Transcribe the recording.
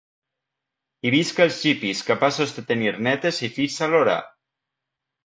I visca els hippies capaços de tenir nétes i fills alhora!